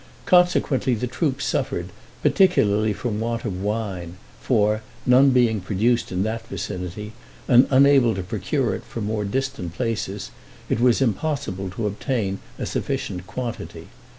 Consequently the troops suffered, particularly from want of wine, for none being produced in that vicinity, and unable to procure it from more distant places, it was impossible to obtain a sufficient quantity.